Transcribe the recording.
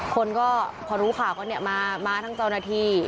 คนก็พอรู้ข่าวว่ามันมามาทั้งจรณาพรรณี